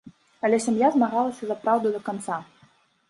Але сям'я змагалася за праўду да канца.